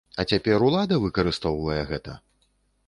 А цяпер улада выкарыстоўвае гэта?